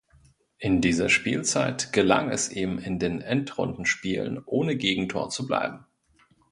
In dieser Spielzeit gelang es ihm, in den Endrundenspielen ohne Gegentor zu bleiben.